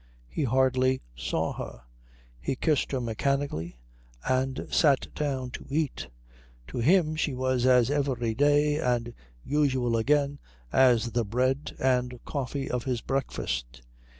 He hardly saw her. He kissed her mechanically and sat down to eat. To him she was as everyday and usual again as the bread and coffee of his breakfast.